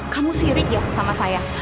kamu sirik yuk sama saya